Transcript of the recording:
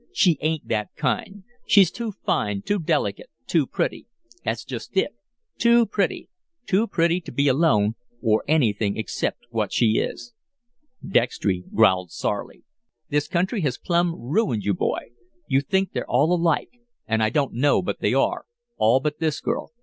"She ain't that kind she's too fine, too delicate too pretty." "That's just it too pretty! Too pretty to be alone or anything except what she is." Dextry growled sourly. "This country has plumb ruined you, boy. You think they're all alike an' I don't know but they are all but this girl.